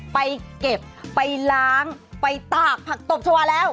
ไปเก็บไปล้างไปตากผักตบชาวาแล้ว